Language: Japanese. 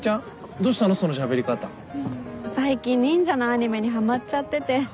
最近忍者のアニメにはまっちゃってて。